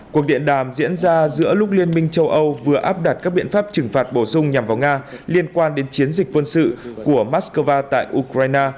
cuộc điện đàm diễn ra giữa lúc liên minh châu âu vừa áp đặt các biện pháp trừng phạt bổ sung nhằm vào nga liên quan đến chiến dịch quân sự của moscow tại ukraine